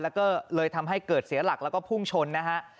แล้วก็เลยทำให้เกิดเสียหลักแล้วก็พุ่งชนนะฮะ